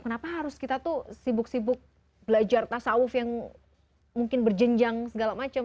kenapa harus kita tuh sibuk sibuk belajar tasawuf yang mungkin berjenjang segala macam